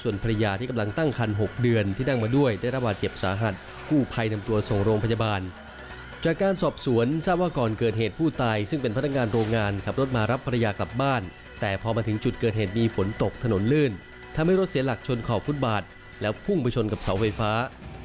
และเจ็บสาหัดกู้ไพนำตัวส่งโรงพยาบาลจากการสอบสวนทราบว่าก่อนเกิดเหตุผู้ตายซึ่งเป็นพันธการโรงงานขับรถมารับภรรยากลับบ้านแต่พอมาถึงจุดเกิดเหตุมีฝนตกถนนเลื่อนทำให้รถเสียหลักชนขอบฟุตบาทแล้วพุ่งไปชนกับเสาไฟฟ้า